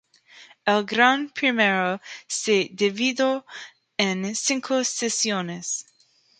El Gran Premio se dividió en cinco sesiones.